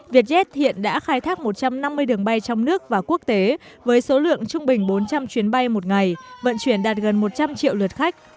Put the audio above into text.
vietjet hiện đã khai thác một trăm năm mươi đường bay trong nước và quốc tế với số lượng trung bình bốn trăm linh chuyến bay một ngày vận chuyển đạt gần một trăm linh triệu lượt khách